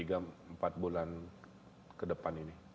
dan selama tiga empat bulan kedepan ini